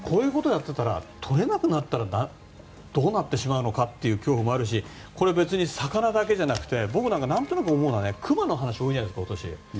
とれなくなったらどうなってしまうのかっていう恐怖もあるしこれ、別に魚だけじゃなくて僕なんかが何となく思うのはクマの話多いじゃないですか今年。